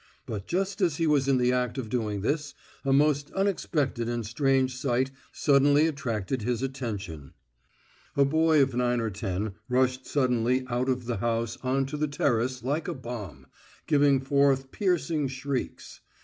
But just as he was in the act of doing this, a most unexpected and strange sight suddenly attracted his attention. A boy of nine or ten rushed suddenly out of the house on to the terrace like a bomb, giving forth piercing shrieks.